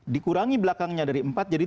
dikurangi belakangnya dari empat jadi